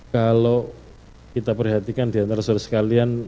kalau kita perhatikan diantara seharusnya kalian